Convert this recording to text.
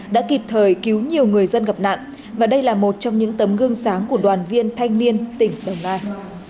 đã kịp thời cứu nhiều người dân gặp nạn và đây là một trong những tấm gương sáng của đoàn viên thanh niên tỉnh đồng nai